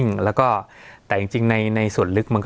สวัสดีครับทุกผู้ชม